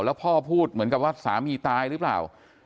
แล้วพ่อพูดเหมือนกับว่าสามีตายหรือเปล่า